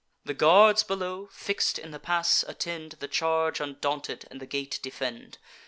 The guards below, fix'd in the pass, attend The charge undaunted, and the gate defend.